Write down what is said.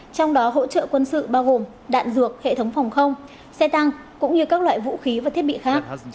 trong đó hỗ trợ quân sự bao gồm đạn ruột hệ thống phòng không xe tăng cũng như các loại vũ khí và thiết bị khác